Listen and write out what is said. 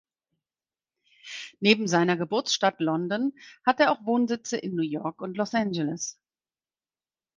Neben seiner Geburtsstadt London hat er auch Wohnsitze in New York und Los Angeles.